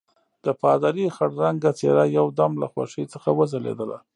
د پادري خړ رنګه څېره یو دم له خوښۍ څخه وځلېدله.